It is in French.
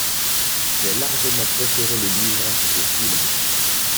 J'ai largement préféré le livre au film.